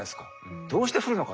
どうして降るのかと。